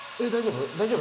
大丈夫？